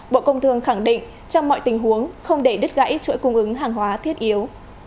bộ công thương khẳng định trong mọi tình huống không để đứt gãy chuỗi cung ứng hàng hóa thiết yếu